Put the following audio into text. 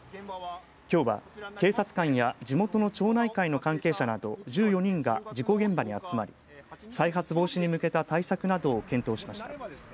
きょうは警察官や地元の町内会の関係者など１４人が事故現場に集まり再発防止に向けた対策などを検討しました。